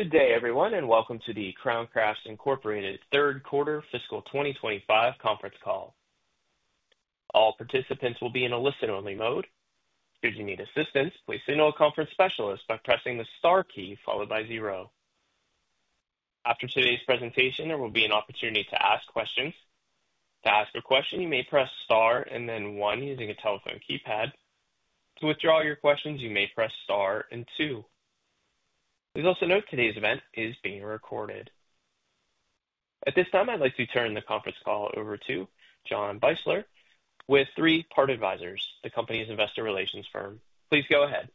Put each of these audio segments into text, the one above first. Good day, everyone, and welcome to the Crown Crafts Third Quarter Fiscal 2025 Conference Call. All participants will be in a listen-only mode. Should you need assistance, please signal a conference specialist by pressing the star key followed by zero. After today's presentation, there will be an opportunity to ask questions. To ask a question, you may press star and then one using a telephone keypad. To withdraw your questions, you may press star and two. Please also note today's event is being recorded. At this time, I'd like to turn the conference call over to John Beisler with Three Part Advisors, the company's investor relations firm. Please go ahead.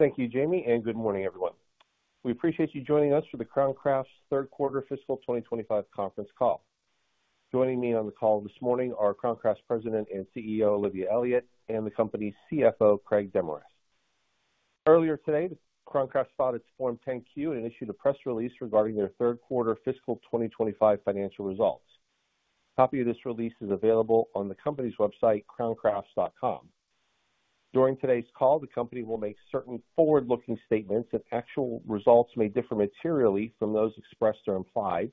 Thank you, Jamie, and good morning, everyone. We appreciate you joining us for the Crown Crafts Third Quarter Fiscal 2025 Conference Call. Joining me on the call this morning are Crown Crafts President and CEO Olivia Elliott and the company's CFO Craig Demarest. Earlier today, Crown Crafts filed its Form 10-Q and issued a press release regarding their third quarter fiscal 2025 financial results. A copy of this release is available on the company's website, crowncrafts.com. During today's call, the company will make certain forward-looking statements, and actual results may differ materially from those expressed or implied.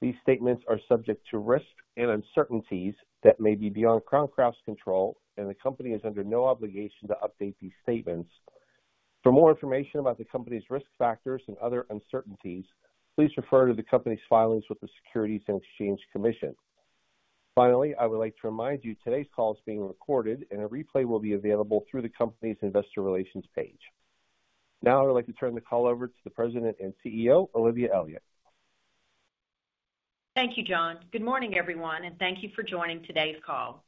These statements are subject to risks and uncertainties that may be beyond Crown Crafts' control, and the company is under no obligation to update these statements. For more information about the company's risk factors and other uncertainties, please refer to the company's filings with the Securities and Exchange Commission. Finally, I would like to remind you today's call is being recorded, and a replay will be available through the company's investor relations page. Now, I would like to turn the call over to the President and CEO, Olivia Elliott. Thank you, John. Good morning, everyone, and thank you for joining today's call.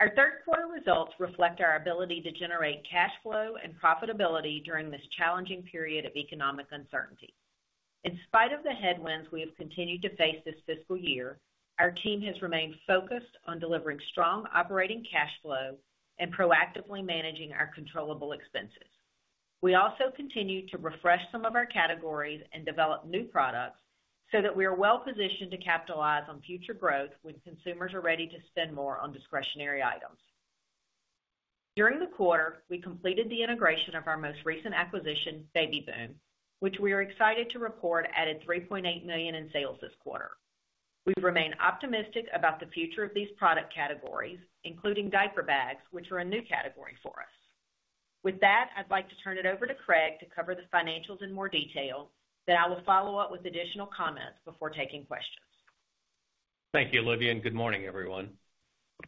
Our third quarter results reflect our ability to generate cash flow and profitability during this challenging period of economic uncertainty. In spite of the headwinds we have continued to face this fiscal year, our team has remained focused on delivering strong operating cash flow and proactively managing our controllable expenses. We also continue to refresh some of our categories and develop new products so that we are well positioned to capitalize on future growth when consumers are ready to spend more on discretionary items. During the quarter, we completed the integration of our most recent acquisition, Baby Boom, which we are excited to report added $3.8 million in sales this quarter. We remain optimistic about the future of these product categories, including diaper bags, which are a new category for us. With that, I'd like to turn it over to Craig to cover the financials in more detail, then I will follow up with additional comments before taking questions. Thank you, Olivia. Good morning, everyone.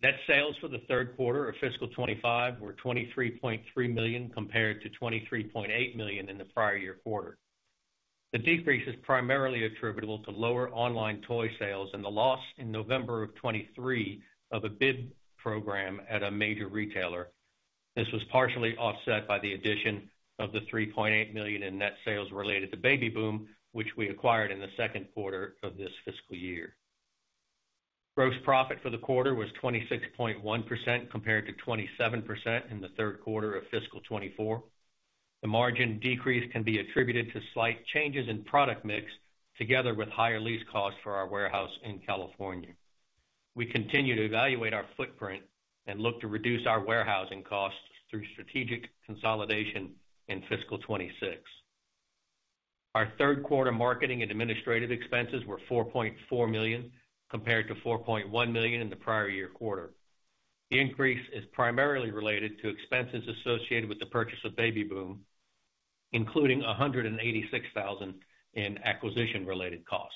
Net sales for the third quarter of fiscal 2025 were $23.3 million compared to $23.8 million in the prior year quarter. The decrease is primarily attributable to lower online toy sales and the loss in November of 2023 of a bib program at a major retailer. This was partially offset by the addition of the $3.8 million in net sales related to Baby Boom, which we acquired in the second quarter of this fiscal year. Gross profit for the quarter was 26.1% compared to 27% in the third quarter of fiscal 2024. The margin decrease can be attributed to slight changes in product mix together with higher lease costs for our warehouse in California. We continue to evaluate our footprint and look to reduce our warehousing costs through strategic consolidation in fiscal 2026. Our third quarter marketing and administrative expenses were $4.4 million compared to $4.1 million in the prior year quarter. The increase is primarily related to expenses associated with the purchase of Baby Boom, including $186,000 in acquisition-related costs.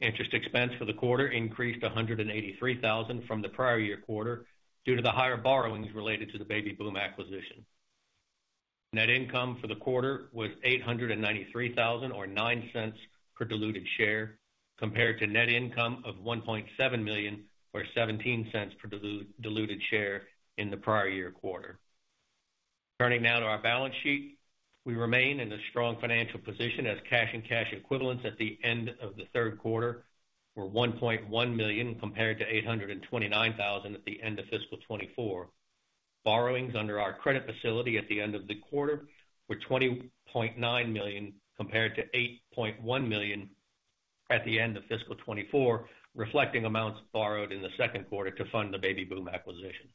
Interest expense for the quarter increased to $183,000 from the prior year quarter due to the higher borrowings related to the Baby Boom acquisition. Net income for the quarter was $893,000 or $0.09 per diluted share compared to net income of $1.7 million or $0.17 per diluted share in the prior year quarter. Turning now to our balance sheet, we remain in a strong financial position as cash and cash equivalents at the end of the third quarter were $1.1 million compared to $829,000 at the end of fiscal 2024. Borrowings under our credit facility at the end of the quarter were $20.9 million compared to $8.1 million at the end of fiscal 2024, reflecting amounts borrowed in the second quarter to fund the Baby Boom acquisition.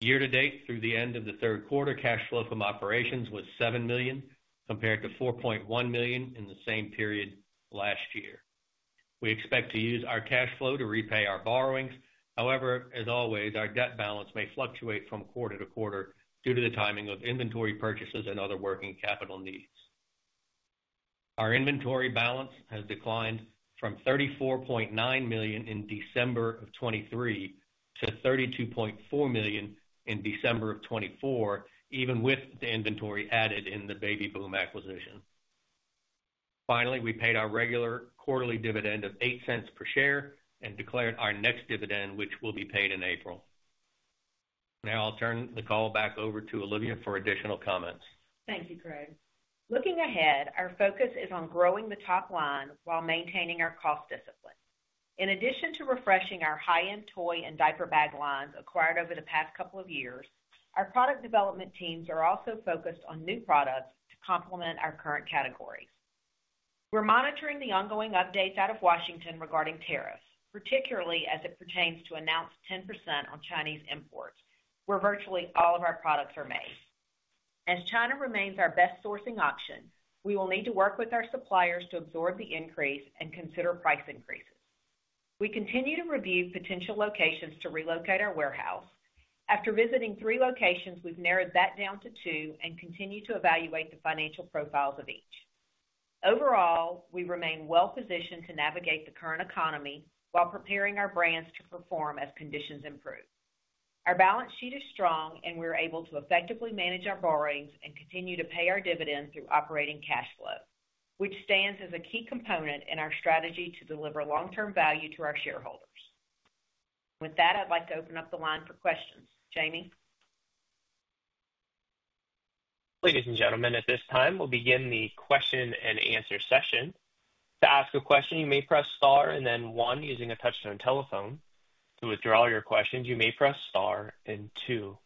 Year-to-date through the end of the third quarter, cash flow from operations was $7 million compared to $4.1 million in the same period last year. We expect to use our cash flow to repay our borrowings. However, as always, our debt balance may fluctuate from quarter to quarter due to the timing of inventory purchases and other working capital needs. Our inventory balance has declined from $34.9 million in December of 2023 to $32.4 million in December of 2024, even with the inventory added in the Baby Boom acquisition. Finally, we paid our regular quarterly dividend of $0.08 per share and declared our next dividend, which will be paid in April. Now, I'll turn the call back over to Olivia for additional comments. Thank you, Craig. Looking ahead, our focus is on growing the top line while maintaining our cost discipline. In addition to refreshing our high-end toy and diaper bag lines acquired over the past couple of years, our product development teams are also focused on new products to complement our current categories. We're monitoring the ongoing updates out of Washington regarding tariffs, particularly as it pertains to announced 10% on Chinese imports, where virtually all of our products are made. As China remains our best sourcing option, we will need to work with our suppliers to absorb the increase and consider price increases. We continue to review potential locations to relocate our warehouse. After visiting three locations, we've narrowed that down to two and continue to evaluate the financial profiles of each. Overall, we remain well positioned to navigate the current economy while preparing our brands to perform as conditions improve. Our balance sheet is strong, and we're able to effectively manage our borrowings and continue to pay our dividends through operating cash flow, which stands as a key component in our strategy to deliver long-term value to our shareholders. With that, I'd like to open up the line for questions. Jamie. Ladies and gentlemen, at this time, we'll begin the question and answer session. To ask a question, you may press star and then one using a touch-tone telephone. To withdraw your questions, you may press star and two.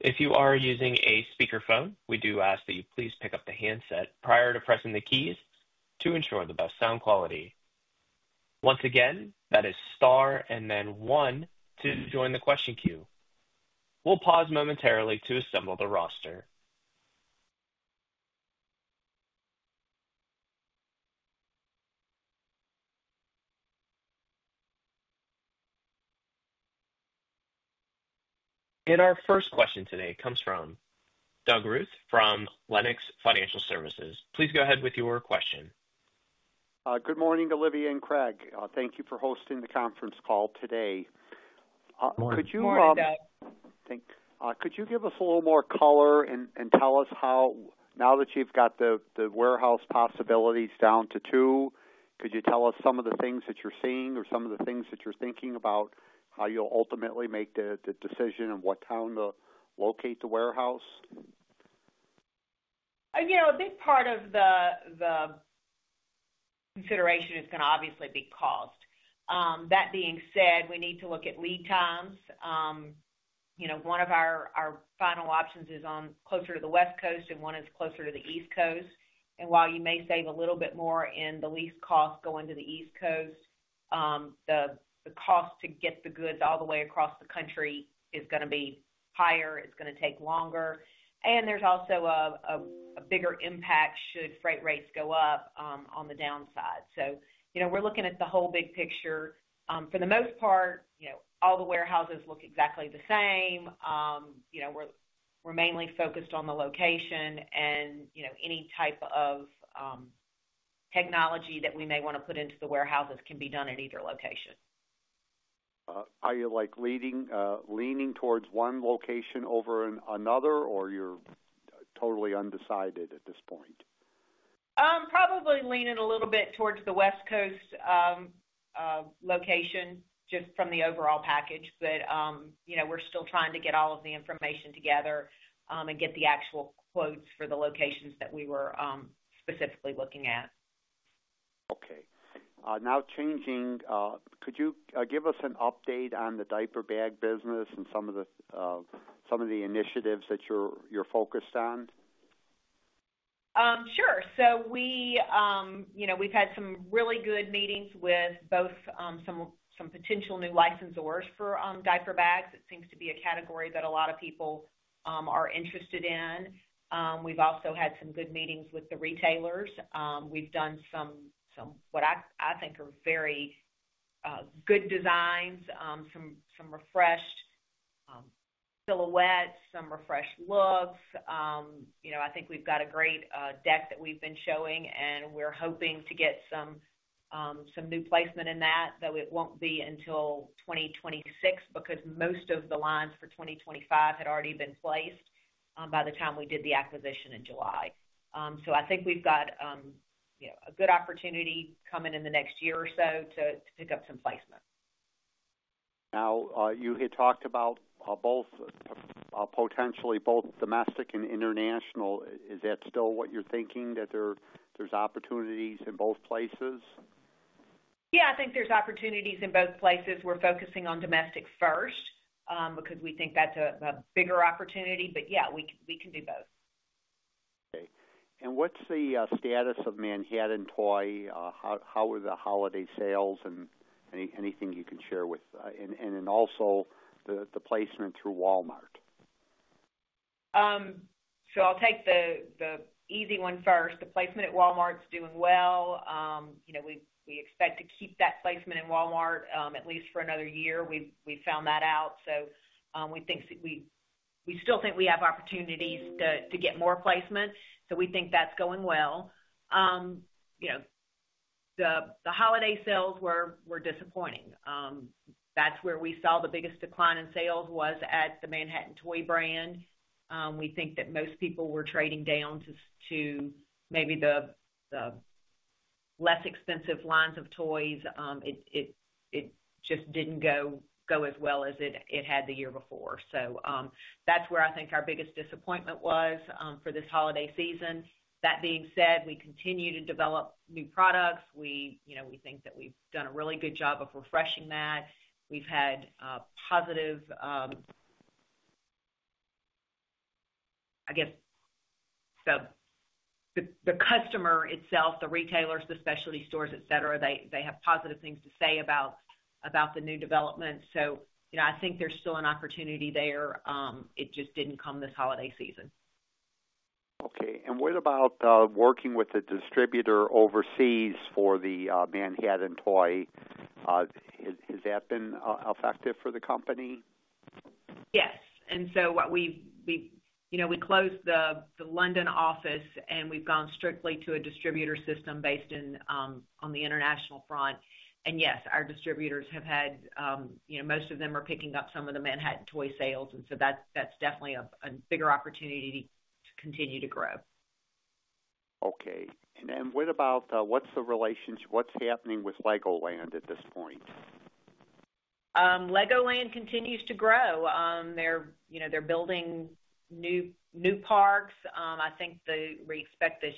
If you are using a speakerphone, we do ask that you please pick up the handset prior to pressing the keys to ensure the best sound quality. Once again, that is star and then one to join the question queue. We'll pause momentarily to assemble the roster. Our first question today comes from Doug Ruth from Lenox Financial Services. Please go ahead with your question. Good morning, Olivia and Craig. Thank you for hosting the conference call today. Good morning. Could you give us a little more color and tell us how, now that you've got the warehouse possibilities down to two, could you tell us some of the things that you're seeing or some of the things that you're thinking about how you'll ultimately make the decision and what town to locate the warehouse? A big part of the consideration is going to obviously be cost. That being said, we need to look at lead times. One of our final options is closer to the West Coast, and one is closer to the East Coast. While you may save a little bit more in the lease cost going to the East Coast, the cost to get the goods all the way across the country is going to be higher. It is going to take longer. There is also a bigger impact should freight rates go up on the downside. We are looking at the whole big picture. For the most part, all the warehouses look exactly the same. We are mainly focused on the location, and any type of technology that we may want to put into the warehouses can be done at either location. Are you leaning towards one location over another, or you're totally undecided at this point? Probably leaning a little bit towards the West Coast location just from the overall package. We are still trying to get all of the information together and get the actual quotes for the locations that we were specifically looking at. Okay. Now, changing, could you give us an update on the diaper bag business and some of the initiatives that you're focused on? Sure. We've had some really good meetings with both some potential new licensors for diaper bags. It seems to be a category that a lot of people are interested in. We've also had some good meetings with the retailers. We've done some what I think are very good designs, some refreshed silhouettes, some refreshed looks. I think we've got a great deck that we've been showing, and we're hoping to get some new placement in that, though it won't be until 2026 because most of the lines for 2025 had already been placed by the time we did the acquisition in July. I think we've got a good opportunity coming in the next year or so to pick up some placement. Now, you had talked about potentially both domestic and international. Is that still what you're thinking, that there's opportunities in both places? Yeah, I think there's opportunities in both places. We're focusing on domestic first because we think that's a bigger opportunity. Yeah, we can do both. Okay. What's the status of Manhattan Toy? How are the holiday sales and anything you can share with? Also the placement through Walmart. I'll take the easy one first. The placement at Walmart's doing well. We expect to keep that placement in Walmart at least for another year. We found that out. We still think we have opportunities to get more placement. We think that's going well. The holiday sales were disappointing. That's where we saw the biggest decline in sales was at the Manhattan Toy brand. We think that most people were trading down to maybe the less expensive lines of toys. It just didn't go as well as it had the year before. That's where I think our biggest disappointment was for this holiday season. That being said, we continue to develop new products. We think that we've done a really good job of refreshing that. We've had positive, I guess, so the customer itself, the retailers, the specialty stores, etc., they have positive things to say about the new development. I think there's still an opportunity there. It just didn't come this holiday season. Okay. What about working with a distributor overseas for the Manhattan Toy? Has that been effective for the company? Yes. We closed the London office, and we've gone strictly to a distributor system based on the international front. Yes, our distributors have had most of them are picking up some of the Manhattan Toy sales. That is definitely a bigger opportunity to continue to grow. Okay. What about what's the relationship? What's happening with Legoland at this point? Legoland continues to grow. They're building new parks. I think we expect the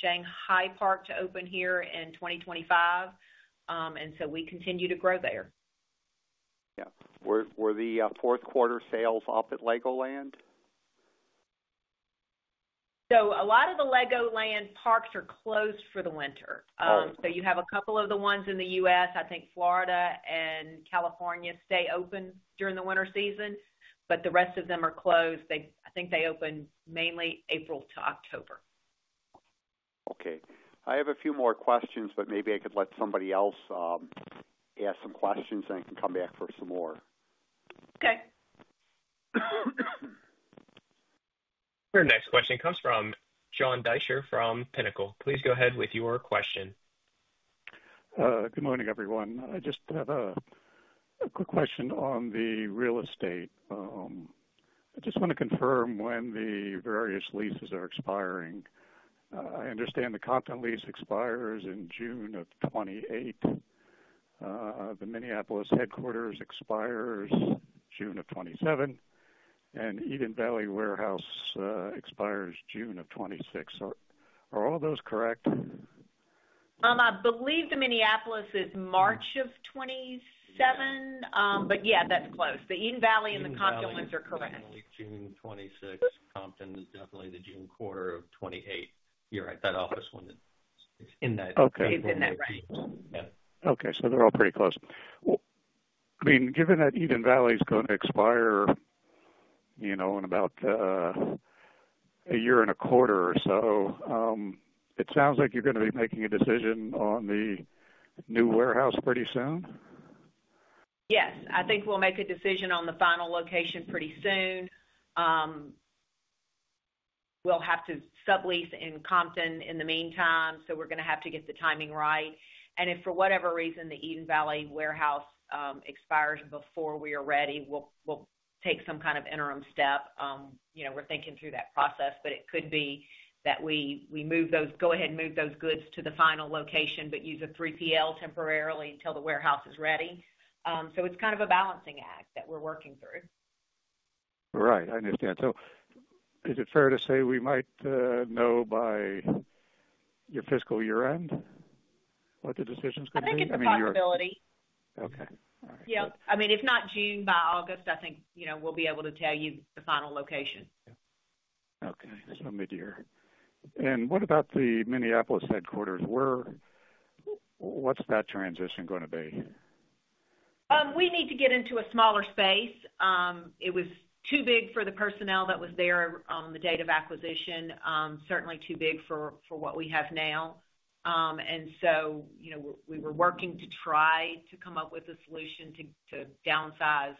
Shanghai park to open here in 2025. We continue to grow there. Yeah. Were the fourth quarter sales up at Legoland? A lot of the Legoland parks are closed for the winter. You have a couple of the ones in the U.S. I think Florida and California stay open during the winter season, but the rest of them are closed. I think they open mainly April to October. Okay. I have a few more questions, but maybe I could let somebody else ask some questions, and I can come back for some more. Okay. Our next question comes from John Deysher from Pinnacle. Please go ahead with your question. Good morning, everyone. I just have a quick question on the real estate. I just want to confirm when the various leases are expiring. I understand the Compton lease expires in June of 2028. The Minneapolis headquarters expires June of 2027, and Eden Valley warehouse expires June of 2026. Are all those correct? I believe the Minneapolis is March of 2027, but yeah, that's close. The Eden Valley and the Compton ones are correct. Compton is definitely June 2026. Compton is definitely the June quarter of 2028. You're right. That office one is in that. It's in that range. Okay. So they're all pretty close. I mean, given that Eden Valley is going to expire in about a year and a quarter or so, it sounds like you're going to be making a decision on the new warehouse pretty soon? Yes. I think we'll make a decision on the final location pretty soon. We'll have to sublease in Compton in the meantime, so we're going to have to get the timing right. If for whatever reason the Eden Valley warehouse expires before we are ready, we'll take some kind of interim step. We're thinking through that process, but it could be that we go ahead and move those goods to the final location, but use a 3PL temporarily until the warehouse is ready. It is kind of a balancing act that we're working through. Right. I understand. Is it fair to say we might know by your fiscal year-end what the decision's going to be? I think it's a possibility. Okay. All right. Yeah. I mean, if not June, by August, I think we'll be able to tell you the final location. Okay. So mid-year. And what about the Minneapolis headquarters? What's that transition going to be? We need to get into a smaller space. It was too big for the personnel that was there on the date of acquisition, certainly too big for what we have now. We were working to try to come up with a solution to downsize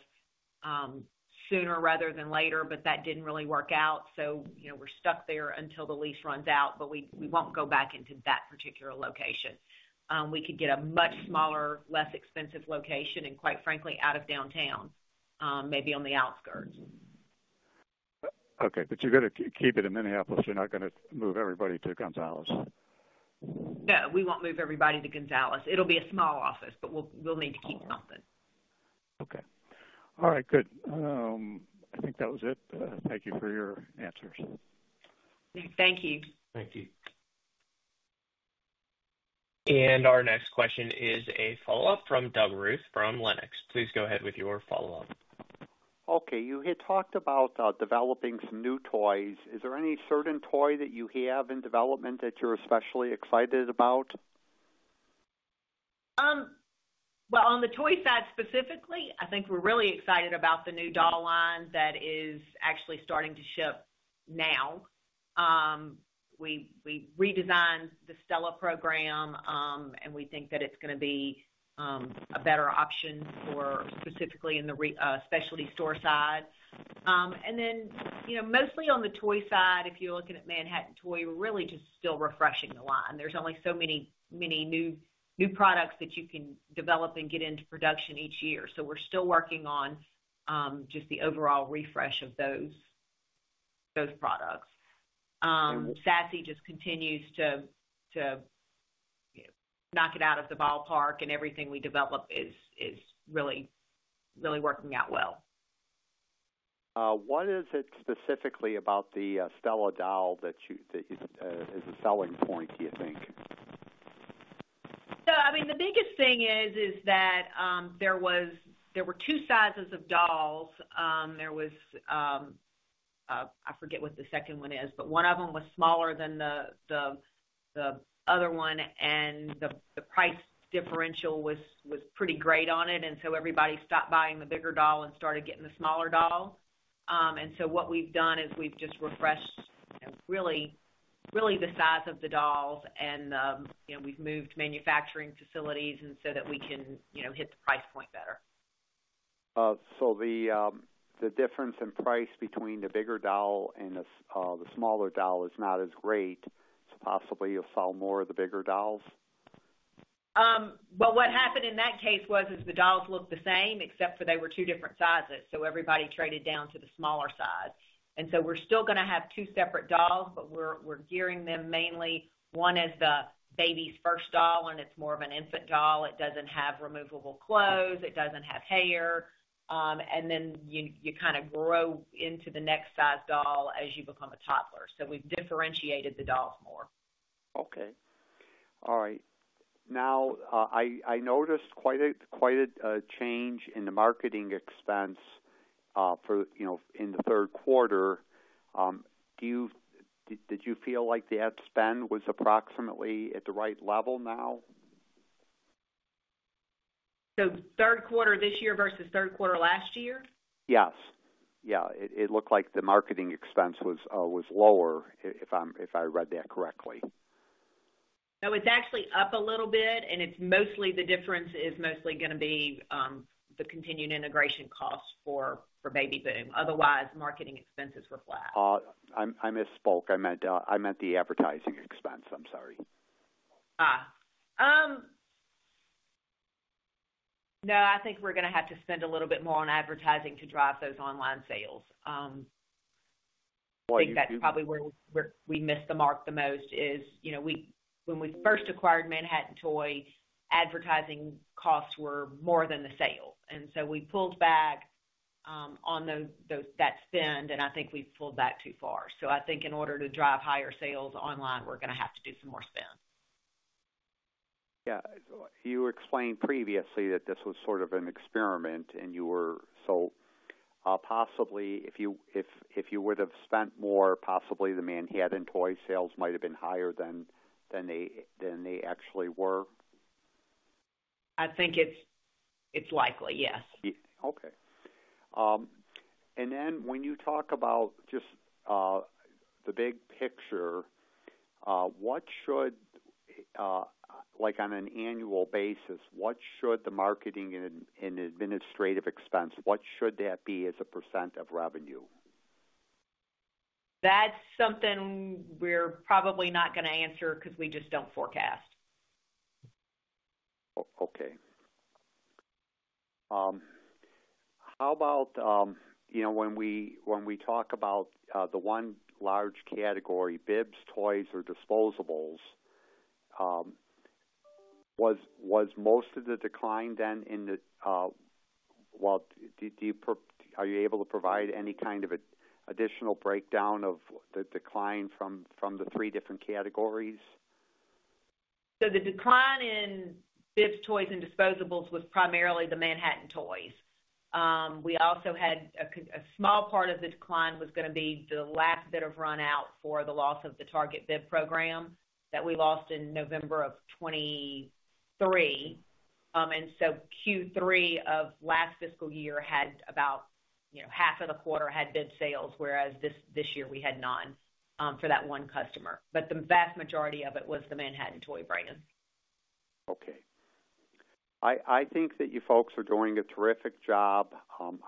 sooner rather than later, but that did not really work out. We are stuck there until the lease runs out, but we will not go back into that particular location. We could get a much smaller, less expensive location, and quite frankly, out of downtown, maybe on the outskirts. Okay. You are going to keep it in Minneapolis. You are not going to move everybody to Gonzales? No. We won't move everybody to Gonzales. It'll be a small office, but we'll need to keep Compton. Okay. All right. Good. I think that was it. Thank you for your answers. Thank you. Thank you. Our next question is a follow-up from Doug Ruth from Lenox Financial Services. Please go ahead with your follow-up. Okay. You had talked about developing some new toys. Is there any certain toy that you have in development that you're especially excited about? On the toy side specifically, I think we're really excited about the new doll lines that is actually starting to ship now. We redesigned the Stella program, and we think that it's going to be a better option for specifically in the specialty store side. Mostly on the toy side, if you're looking at Manhattan Toy, we're really just still refreshing the line. There's only so many new products that you can develop and get into production each year. We're still working on just the overall refresh of those products. Sassy just continues to knock it out of the ballpark, and everything we develop is really working out well. What is it specifically about the Stella doll that is a selling point, do you think? I mean, the biggest thing is that there were two sizes of dolls. There was, I forget what the second one is, but one of them was smaller than the other one, and the price differential was pretty great on it. Everybody stopped buying the bigger doll and started getting the smaller doll. What we have done is we have just refreshed really the size of the dolls, and we have moved manufacturing facilities so that we can hit the price point better. The difference in price between the bigger doll and the smaller doll is not as great. So possibly you'll sell more of the bigger dolls? What happened in that case was the dolls looked the same, except for they were two different sizes. Everybody traded down to the smaller size. We are still going to have two separate dolls, but we are gearing them mainly. One is the baby's first doll, and it is more of an infant doll. It does not have removable clothes. It does not have hair. You kind of grow into the next size doll as you become a toddler. We have differentiated the dolls more. Okay. All right. Now, I noticed quite a change in the marketing expense in the third quarter. Did you feel like that spend was approximately at the right level now? Third quarter this year versus third quarter last year? Yes. Yeah. It looked like the marketing expense was lower, if I read that correctly. No, it's actually up a little bit, and mostly the difference is mostly going to be the continued integration costs for Baby Boom. Otherwise, marketing expenses were flat. I misspoke. I meant the advertising expense. I'm sorry. No, I think we're going to have to spend a little bit more on advertising to drive those online sales. I think that's probably where we missed the mark the most is when we first acquired Manhattan Toy, advertising costs were more than the sale. I think we pulled back on that spend, and I think we've pulled back too far. I think in order to drive higher sales online, we're going to have to do some more spend. Yeah. You explained previously that this was sort of an experiment, and you were so possibly if you would have spent more, possibly the Manhattan Toy sales might have been higher than they actually were? I think it's likely, yes. Okay. When you talk about just the big picture, on an annual basis, what should the marketing and administrative expense, what should that be as a % of revenue? That's something we're probably not going to answer because we just don't forecast. Okay. How about when we talk about the one large category, bibs, toys, or disposables, was most of the decline then in the, well, are you able to provide any kind of additional breakdown of the decline from the three different categories? The decline in bibs, toys, and disposables was primarily the Manhattan Toy brand. We also had a small part of the decline that was going to be the last bit of run-out for the loss of the Target bib program that we lost in November of 2023. Q3 of last fiscal year had about half of the quarter with bib sales, whereas this year we had none for that one customer. The vast majority of it was the Manhattan Toy brand. Okay. I think that you folks are doing a terrific job.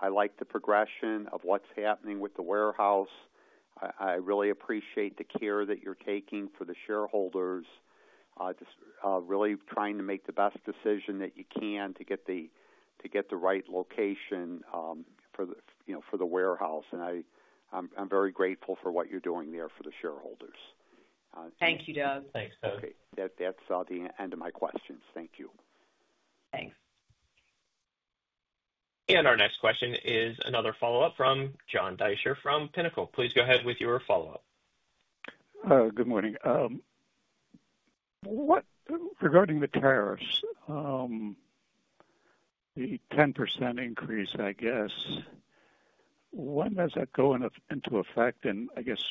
I like the progression of what's happening with the warehouse. I really appreciate the care that you're taking for the shareholders, really trying to make the best decision that you can to get the right location for the warehouse. I am very grateful for what you're doing there for the shareholders. Thank you, Doug. Thanks, Doug. Okay. That's the end of my questions. Thank you. Thanks. Our next question is another follow-up from John Deysher from Pinnacle. Please go ahead with your follow-up. Good morning. Regarding the tariffs, the 10% increase, I guess, when does that go into effect? I guess,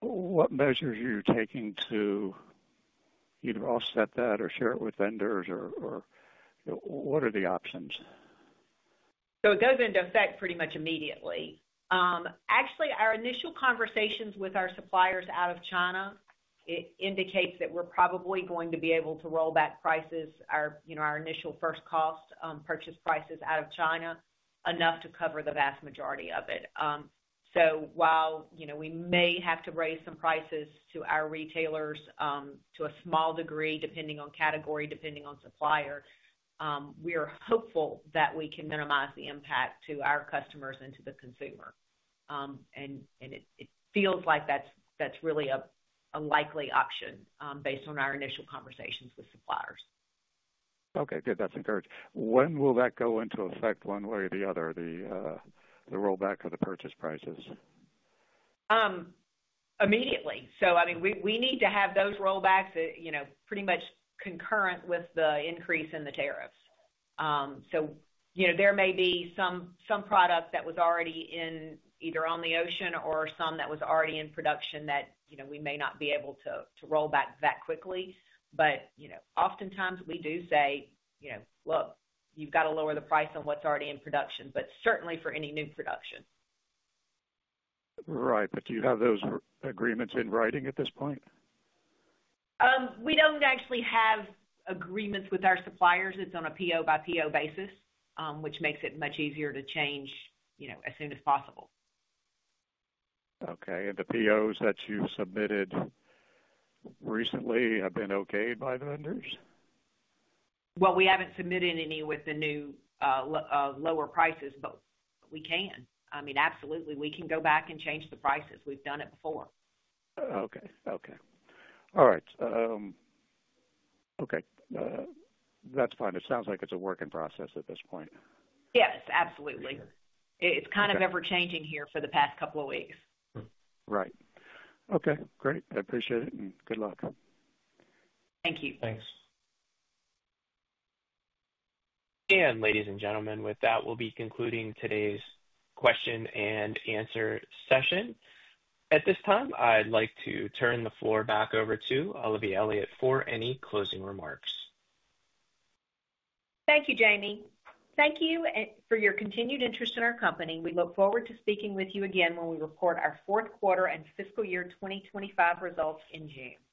what measures are you taking to either offset that or share it with vendors? What are the options? It goes into effect pretty much immediately. Actually, our initial conversations with our suppliers out of China indicate that we're probably going to be able to roll back prices, our initial first cost, purchase prices out of China, enough to cover the vast majority of it. While we may have to raise some prices to our retailers to a small degree, depending on category, depending on supplier, we are hopeful that we can minimize the impact to our customers and to the consumer. It feels like that's really a likely option based on our initial conversations with suppliers. Okay. Good. That's encouraged. When will that go into effect one way or the other, the rollback of the purchase prices? Immediately. I mean, we need to have those rollbacks pretty much concurrent with the increase in the tariffs. There may be some product that was already either on the ocean or some that was already in production that we may not be able to roll back that quickly. Oftentimes we do say, "Look, you've got to lower the price on what's already in production," but certainly for any new production. Right. But do you have those agreements in writing at this point? We don't actually have agreements with our suppliers. It's on a PO-by-PO basis, which makes it much easier to change as soon as possible. Okay. The POs that you've submitted recently have been okayed by the vendors? We have not submitted any with the new lower prices, but we can. I mean, absolutely. We can go back and change the prices. We have done it before. Okay. Okay. All right. Okay. That's fine. It sounds like it's a work in process at this point. Yes. Absolutely. It's kind of ever-changing here for the past couple of weeks. Right. Okay. Great. I appreciate it. Good luck. Thank you. Thanks. Ladies and gentlemen, with that, we'll be concluding today's question and answer session. At this time, I'd like to turn the floor back over to Olivia Elliott for any closing remarks. Thank you, Jamie. Thank you for your continued interest in our company. We look forward to speaking with you again when we report our fourth quarter and fiscal year 2025 results in June.